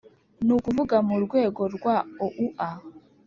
ni ukuvuga mu rwego rwa oua,